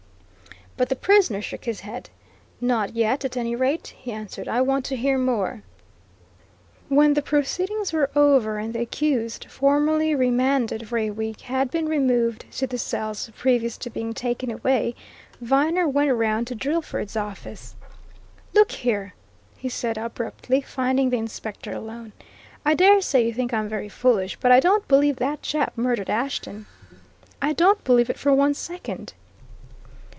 But the prisoner shook his head. "Not yet, at any rate," he answered. "I want to hear more." When the proceedings were over and the accused, formally remanded for a week, had been removed to the cells previous to being taken away, Viner went round to Drillford's office. "Look here!" he said abruptly, finding the Inspector alone, "I dare say you think I'm very foolish, but I don't believe that chap murdered Ashton. I don't believe it for one second!"